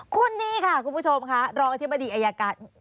คนนี้ค่ะคุณผู้ชมค่ะรองอธิบดีอายการ